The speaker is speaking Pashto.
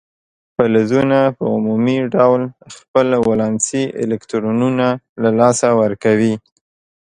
فلزونه په عمومي ډول خپل ولانسي الکترونونه له لاسه ورکوي.